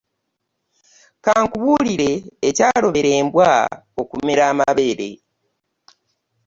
Ka nkubuulire ekyalobera embwa okumera amabeere.